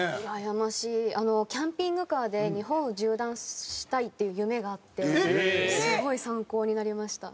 キャンピングカーで日本を縦断したいっていう夢があってすごい参考になりました。